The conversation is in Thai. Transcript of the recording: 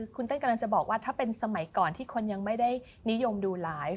คุณเต้นกำลังจะบอกว่าถ้าเป็นสมัยก่อนที่คนยังไม่ได้นิยมดูไลฟ์